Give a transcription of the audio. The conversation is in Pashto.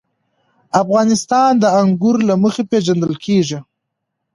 افغانستان د انګور له مخې پېژندل کېږي.